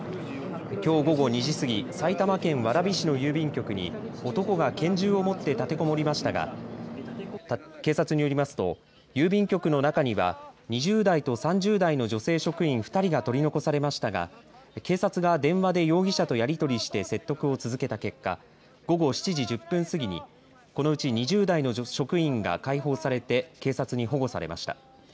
きょう午後２時過ぎ埼玉県蕨市の郵便局に男が拳銃を持って立てこもりましたが警察によりますと郵便局の中には２０代と３０代の女性職員２人が取り残されましたが警察が電話で容疑者とやりとりして説得を続けた結果午後７時１０分過ぎにこのうち２０代の職員が解放されて警察に保護されました。